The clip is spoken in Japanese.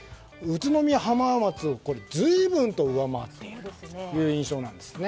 宇都宮、浜松を随分、上回っている印象です。